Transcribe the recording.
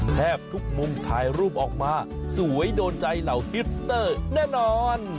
แทบทุกมุมถ่ายรูปออกมาสวยโดนใจเหล่าฮิปสเตอร์แน่นอน